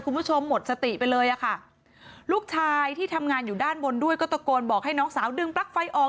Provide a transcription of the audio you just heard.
หมดสติไปเลยอะค่ะลูกชายที่ทำงานอยู่ด้านบนด้วยก็ตะโกนบอกให้น้องสาวดึงปลั๊กไฟออก